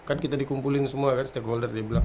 kan kita dikumpulin semua kan stakeholder